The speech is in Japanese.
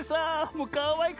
もうかわいくて。